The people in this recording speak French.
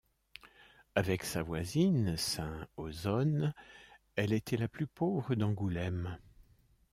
Avec sa voisine Saint-Ausone, elle était la plus pauvre d'Angoulême.